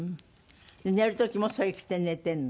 寝る時もそれ着て寝てるの？